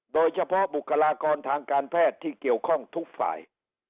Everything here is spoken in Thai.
บุคลากรทางการแพทย์ที่เกี่ยวข้องทุกฝ่าย